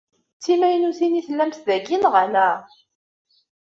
D timaynutin i tellamt dagi neɣ ala?